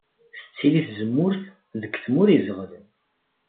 Tettili tzemmurt deg tmura izeɣlen.